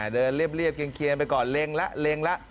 เดินเรียบเคียงไปก่อนเล็งละเล็งละ